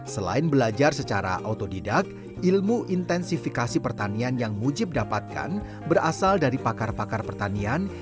selain belajar secara otodidak ilmu intensifikasi pertanian yang mujib dapatkan berasal dari pakar pakar pertanian